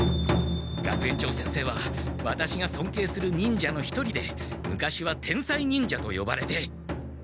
学園長先生はワタシがそんけいする忍者の一人で昔は天才忍者とよばれて。